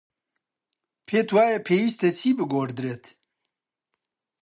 پێت وایە پێویستە چی بگۆڕدرێت؟